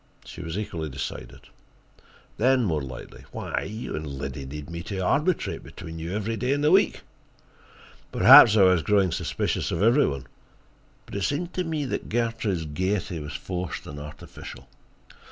She was equally decided. Then, more lightly: "Why, you and Liddy need me to arbitrate between you every day in the week." Perhaps I was growing suspicious of every one, but it seemed to me that Gertrude's gaiety was forced and artificial.